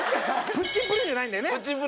プッチンプリンじゃないですよ。